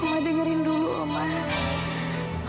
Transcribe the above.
omah dengerin dulu omah